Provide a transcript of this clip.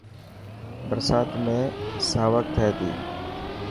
برسات ۾ ساوڪ ٿي تي.